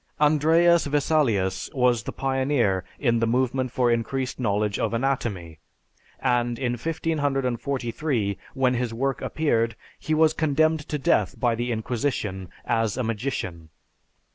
Andreas Vesalius was the pioneer in the movement for increased knowledge of anatomy, and in 1543, when his work appeared, he was condemned to death by the Inquisition as a magician.